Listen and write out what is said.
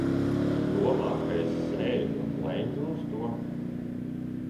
Domā, ka es sēžu un blenžu uz to?